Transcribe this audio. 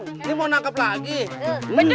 ini mau nangkep lagi